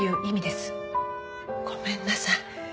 ごめんなさい。